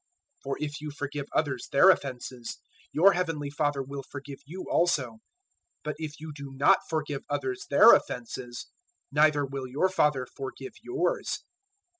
006:014 "For if you forgive others their offences, your Heavenly Father will forgive you also; 006:015 but if you do not forgive others their offences, neither will your Father forgive yours.